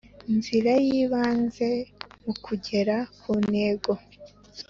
nzira y ibanze mu kugera ku Ntego